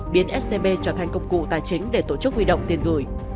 biến scb trở thành công cụ tài chính để tổ chức huy động tiền gửi